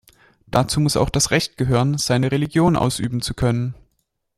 Dazu muss auch das Recht gehören, seine Religion ausüben zu können.